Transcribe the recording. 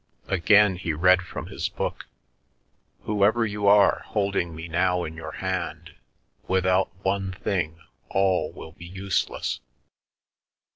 Again he read from his book: Whoever you are holding me now in your hand, Without one thing all will be useless.